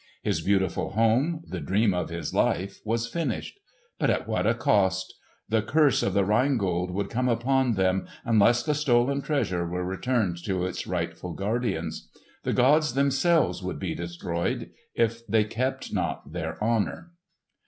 His beautiful home, the dream of his life, was finished. But at what a cost! The curse of the Rhine Gold would come upon them, unless the stolen treasure were returned to its rightful guardians. The gods themselves would be destroyed, if they kept not their honour.